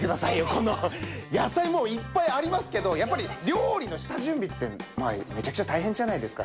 この野菜もういっぱいありますけどやっぱり料理の下準備ってめちゃくちゃ大変じゃないですか。